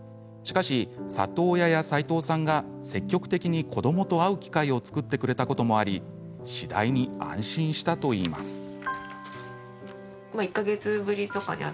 しかし、里親の齋藤さんが積極的に子どもと会う機会を作ってくれたこともあり次第に安心したと言います。